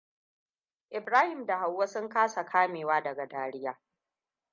Ibrahim da Hauwa sun kasa kamewa daga dariya.